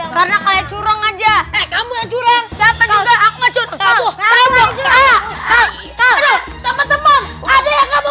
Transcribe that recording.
karena kayak curang aja kamu curang aku aku aku aku kamu kamu menerima kekalahan itu kamu